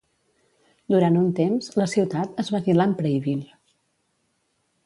Durant un temps, la ciutat es va dir "Lampreyville".